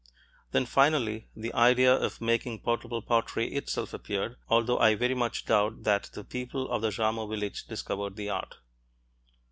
Then, finally, the idea of making portable pottery itself appeared, although I very much doubt that the people of the Jarmo village discovered the art.